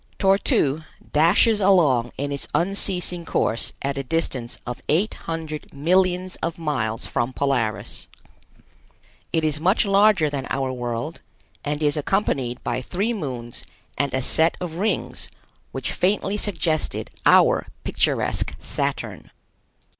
Tor tu dashes along in its unceasing course at a distance of eight hundred millions of miles from Polaris. It is much larger than our world, and is accompanied by three moons and a set of rings which faintly suggested our picturesque Saturn.